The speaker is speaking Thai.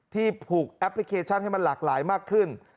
ผูกแอปพลิเคชันให้มันหลากหลายมากขึ้น